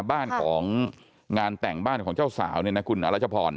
บ้านของงานแต่งบ้านของเจ้าสาวเนี่ยนะคุณอรัชพร